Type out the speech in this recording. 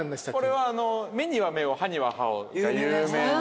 これは「目には目を歯には歯を」が有名な。